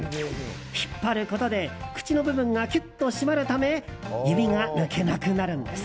引っ張ることで口の部分がキュッと締まるため指が抜けなくなるんです。